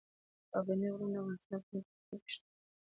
پابندي غرونه د افغانستان د پوهنې په نصاب کې شته.